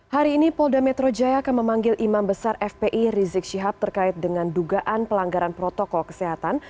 hari ini polda metro jaya akan memanggil imam besar fpi rizik syihab terkait dengan dugaan pelanggaran protokol kesehatan